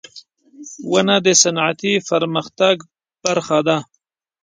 • ونه د صنعتي پرمختګ برخه ده.